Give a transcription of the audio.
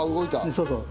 そうそう。